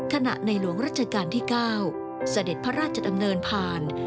ในหลวงรัชกาลที่๙เสด็จพระราชดำเนินผ่าน